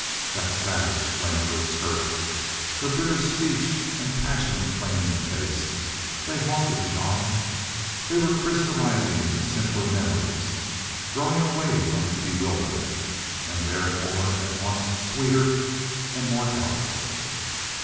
That savage fling of her skirt, her bitter speech and passionate flaming face they haunted Jean. They were crystallizing into simpler memories, growing away from his bewilderment, and therefore at once sweeter and more doubtful.